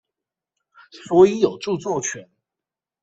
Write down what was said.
所以有著作權